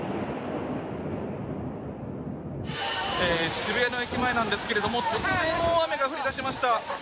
渋谷の駅前なんですが突然、大雨が降り出しました。